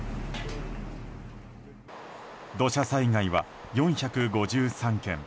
土砂災害は４５３件